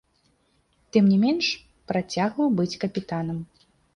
Тым не менш, працягваў быць капітанам.